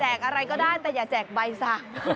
แจกอะไรก็ได้แต่อย่าแจกใบซะ